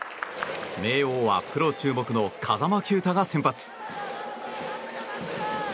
明桜はプロ注目の風間球打が先発。